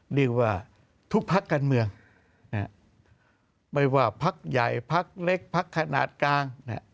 เรียกว่าทุกภักด์กันเมืองไม่ว่าภักด์ใหญ่ภักด์เล็กภักด์ขนาดกลาง